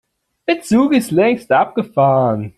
Der Zug ist längst abgefahren.